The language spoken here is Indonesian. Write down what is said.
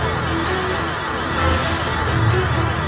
raka seperti dia terluka